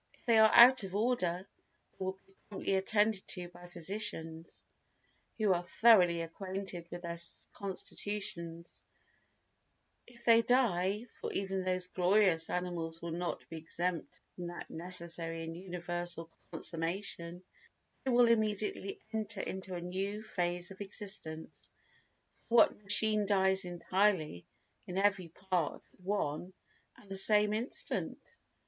If they are out of order they will be promptly attended to by physicians who are thoroughly acquainted with their constitutions; if they die, for even these glorious animals will not be exempt from that necessary and universal consummation, they will immediately enter into a new phase of existence, for what machine dies entirely in every part at one and the same instant?